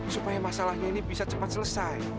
supaya masalahnya ini bisa cepat selesai